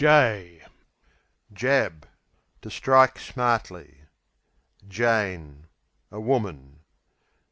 Jab To strike smartly. Jane A woman.